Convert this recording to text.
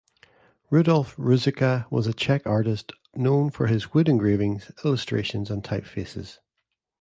Rudolph Ruzicka was a Czech artist known for his wood engravings, illustrations, and typefaces.